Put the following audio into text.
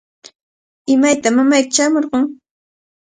¿Imaytaq mamayki chaamurqun?